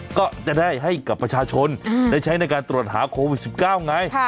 ก็จะได้ให้กับประชาชนได้ใช้ในการตรวจหาโควิด๑๙ไง